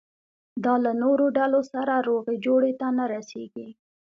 دا له نورو ډلو سره روغې جوړې ته نه رسېږي.